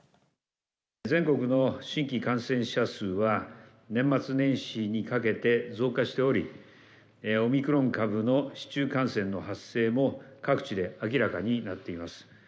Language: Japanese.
全国の新規感染者数は、年末年始にかけて増加しており、オミクロン株の市中感染の発生も各地で明らかになっています。